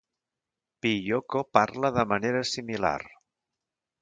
Piyoko parla de manera similar.